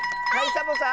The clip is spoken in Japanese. サボさん。